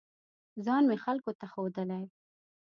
ځان مې خلکو ته ښودلی